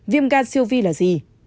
viêm gan siêu vi là gì